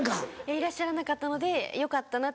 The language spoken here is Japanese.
いらっしゃらなかったのでよかったなって。